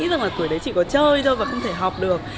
rằng là tuổi đấy chỉ có chơi thôi và không thể học được